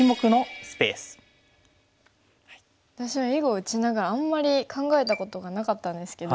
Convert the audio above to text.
私は囲碁を打ちながらあんまり考えたことがなかったんですけど。